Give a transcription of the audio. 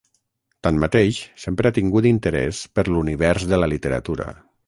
Tanmateix, sempre ha tingut interès per l'univers de la literatura.